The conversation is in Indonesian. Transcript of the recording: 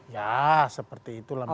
ya seperti itulah